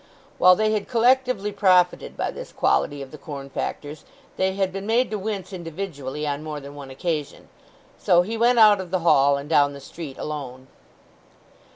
While they had collectively profited by this quality of the corn factor's they had been made to wince individually on more than one occasion. So he went out of the hall and down the street alone.